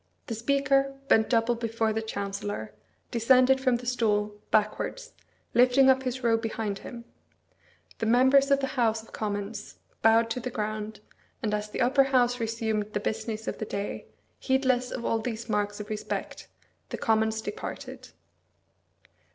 The Speaker, bent double before the Chancellor, descended from the stool, backwards, lifting up his robe behind him; the members of the House of Commons bowed to the ground, and as the Upper House resumed the business of the day, heedless of all these marks of respect, the Commons departed.